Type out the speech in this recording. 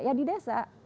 ya di desa